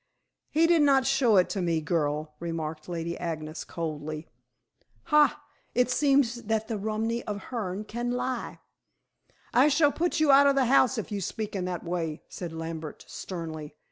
"He did not show it to me, girl," remarked Lady Agnes coldly. "Hai! It seems that the rumy of Hearne can lie." "I shall put you out of the house if you speak in that way," said Lambert sternly.